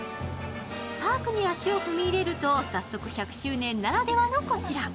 パークに足を踏み入れると早速１００周年ならではのこちら。